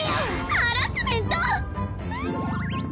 ハラスメント！